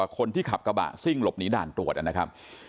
คนขับกระบะซิ่งหลบหนีด่านตรวจนะครับ